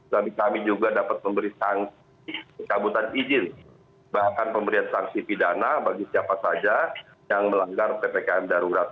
tapi kami juga dapat memberi sanksi pencabutan izin bahkan pemberian sanksi pidana bagi siapa saja yang melanggar ppkm darurat